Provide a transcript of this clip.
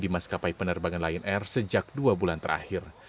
di maskapai penerbangan lion air sejak dua bulan terakhir